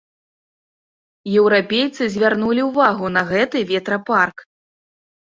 Еўрапейцы звярнулі ўвагу на гэты ветрапарк.